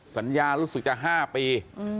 สัญญารู้สึกจะ๕ปี